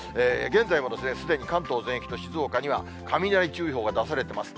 現在すでに関東全域と静岡には雷注意報が出されてます。